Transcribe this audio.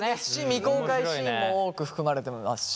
未公開シーンも多く含まれてますし。